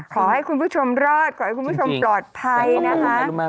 ขอให้คุณผู้ชมรอดขอให้คุณผู้ชมปลอดภัยนะคะ